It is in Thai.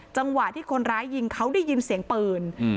จังหวะที่คนร้ายยิงเขาได้ยินเสียงปืน